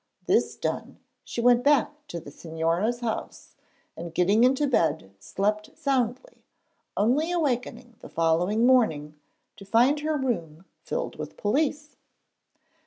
This done she went back to the Señora's house, and getting into bed slept soundly, only awakening the following morning to find her room filled with police.